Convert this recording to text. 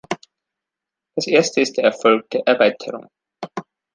Das Erste ist der Erfolg der Erweiterung.